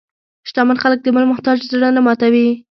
شتمن خلک د بل محتاج زړه نه ماتوي.